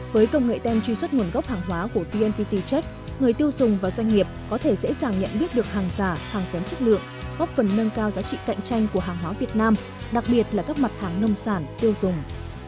với công nghệ tem truy xuất nguồn gốc hàng hóa của vnpt check người tiêu dùng và doanh nghiệp có thể dễ dàng nhận biết được hàng giả hàng kém chất lượng góp phần nâng cao giá trị cạnh tranh của hàng hóa việt nam đặc biệt là các mặt hàng nông sản tiêu dùng